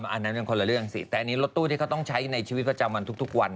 อันนั้นมันคนละเรื่องสิแต่อันนี้รถตู้ที่เขาต้องใช้ในชีวิตประจำวันทุกวัน